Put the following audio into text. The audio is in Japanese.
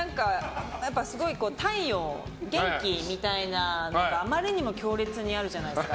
すごい体温、元気みたいなのがあまりにも強烈にあるじゃないですか。